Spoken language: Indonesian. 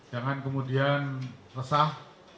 jangan kemudian resah